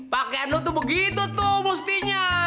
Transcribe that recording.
pakaian lo tuh begitu tuh mustinya